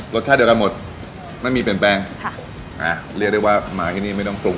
รสชาติเดียวกันหมดไม่มีเปลี่ยนแปลงค่ะอ่าเรียกได้ว่ามาที่นี่ไม่ต้องปรุง